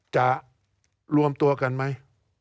จะรวมตัวกันไหม